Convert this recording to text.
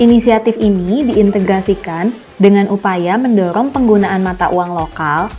inisiatif ini diintegrasikan dengan upaya mendorong penggunaan mata uang lokal